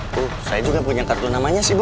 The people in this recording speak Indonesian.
tuh saya juga punya kartu namanya sih bu